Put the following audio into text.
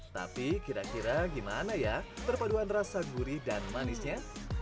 tapi kira kira gimana ya perpaduan rasa gurih dan manisnya